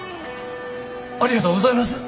ありがとうございます！